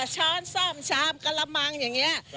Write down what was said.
ช้อนส้อมชามกระลำมังอย่างเงี้ย